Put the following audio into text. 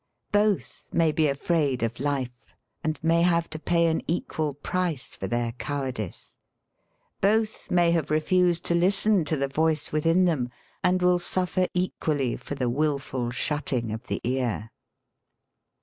Both may be afraid of life and may have to pay an equal price for their cowardice. Both may have refused to listen to the voice within them, and will suffer equally for the wilful shutting of the ear.